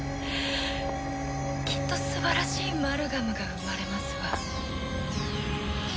きっと素晴らしいマルガムが生まれますわ。